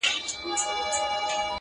دبدبه د حُسن وه چي وحسي رام سو.